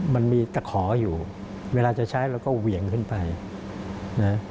มันมีตะขออยู่เวลาจะใช้เราก็เหวี่ยงขึ้นไปนะ